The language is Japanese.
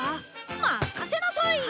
任せなさい！